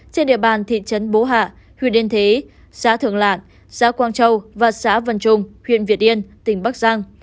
trên địa bàn thị trấn bố hạ huyện yên thế xã thường lạng xã quang châu và xã vân trung huyện việt yên tỉnh bắc giang